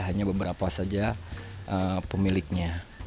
hanya beberapa saja pemiliknya